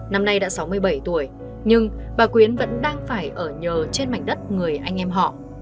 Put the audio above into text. năm nay đã sáu mươi bảy tuổi nhưng bà quyến vẫn đang phải ở nhờ trên mảnh đất người anh em họ